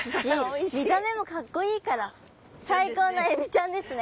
見た目もかっこいいから最高のエビちゃんですね。